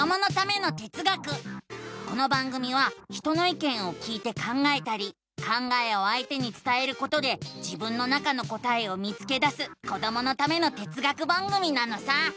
この番組は人のいけんを聞いて考えたり考えをあいてにつたえることで自分の中の答えを見つけだすこどものための哲学番組なのさ！